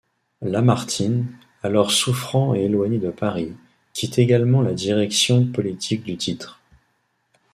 Lamartine, alors souffrant et éloigné de Paris, quitte également la direction politique du titre.